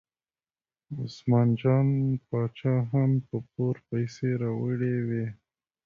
عثمان جان باچا هم په پور پیسې راوړې وې.